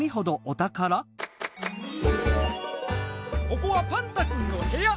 ここはパンタくんのへや。